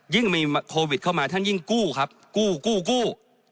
ยิ่งมีโควิดมาท่านยิ่งกู้ครับกู้กู้กู้